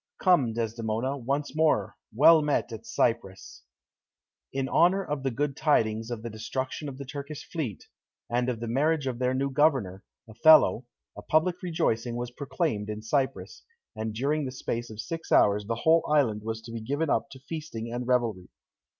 Come, Desdemona, once more, well met at Cyprus!" In honour of the good tidings of the destruction of the Turkish fleet, and of the marriage of their new Governor, Othello, a public rejoicing was proclaimed in Cyprus, and during the space of six hours the whole island was to be given up to feasting and revelry.